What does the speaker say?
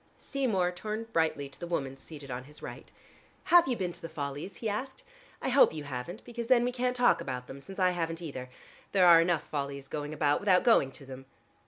Seymour turned brightly to the woman seated on his right. "Have you been to 'The Follies'?" he asked. "I hope you haven't, because then we can't talk about them, since I haven't either. There are enough follies going about, without going to them."